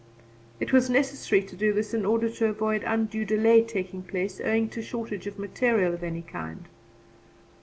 It was necessary to do this in order to avoid undue delay taking place owing to shortage of material of any kind.